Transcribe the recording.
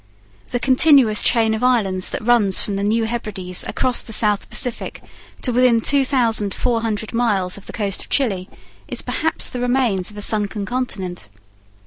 The continuous chain of islands that runs from the New Hebrides across the South Pacific to within two thousand four hundred miles of the coast of Chile is perhaps the remains of a sunken continent.